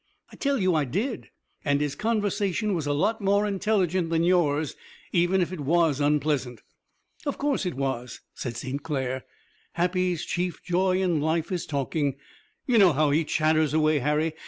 I tell you I did, and his conversation was a lot more intelligent than yours, even if it was unpleasant." "Of course it was," said St. Clair. "Happy's chief joy in life is talking. You know how he chatters away, Harry.